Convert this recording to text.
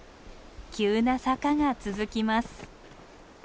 急な坂が続きます。